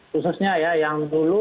khususnya ya yang dulu